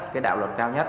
cái đạo luật cao nhất